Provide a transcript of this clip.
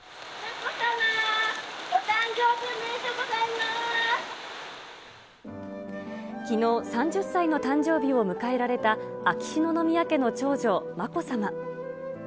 まこさま、きのう、３０歳の誕生日を迎えられた秋篠宮家の長女、まこさま。